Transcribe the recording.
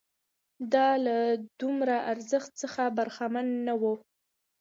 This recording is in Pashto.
دا له دومره ارزښت څخه برخمن نه وو